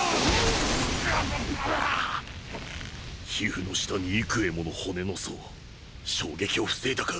皮フの下に幾重もの骨の層衝撃を防いだか